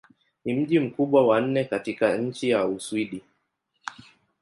Ni mji mkubwa wa nne katika nchi wa Uswidi.